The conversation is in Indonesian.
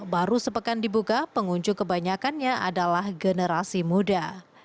baru sepekan dibuka pengunjung kebanyakannya adalah generasi muda